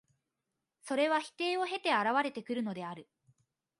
それは否定を経て現れてくるのである。